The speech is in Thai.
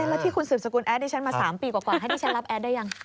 แล้วที่คุณสืบสกุลแดดดิฉันมา๓ปีกว่าให้ดิฉันรับแอดได้ยัง